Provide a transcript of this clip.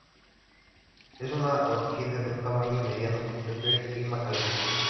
Es una orquídea de un tamaño mediano, que prefiere clima caliente.